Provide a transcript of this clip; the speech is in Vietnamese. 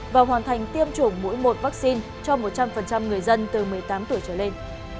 và hoàn thành tiêm chủng mỗi một vaccine cho một trăm linh người dân từ một mươi tám tuổi trở lên